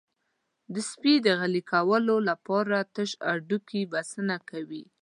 د سپي د غلي کولو لپاره تش هډوکی بسنه کوي.